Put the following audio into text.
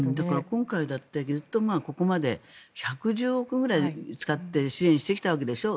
今回だってずっとここまで１１０億ぐらい使って支援してきたわけでしょ